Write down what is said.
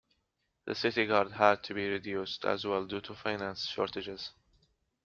The city guard had to be reduced as well due to finance shortages.